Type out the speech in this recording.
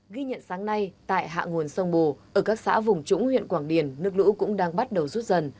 ghi nhận sáng nay tại hạ nguồn sông bồ ở các xã vùng trũng huyện quảng điền nước lũ cũng đang bắt đầu rút dần